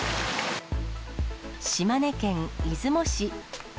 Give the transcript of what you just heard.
島根県出雲市。